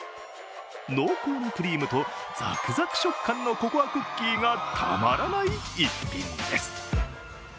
濃厚なクリームとザクザク食感のココアクッキーがたまらない逸品です。